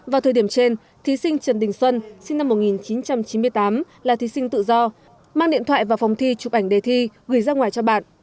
vào thời điểm trên thí sinh trần đình xuân sinh năm một nghìn chín trăm chín mươi tám là thí sinh tự do mang điện thoại vào phòng thi chụp ảnh đề thi gửi ra ngoài cho bạn